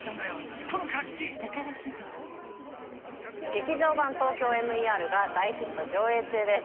劇場版「ＴＯＫＹＯＭＥＲ」が大ヒット上映中です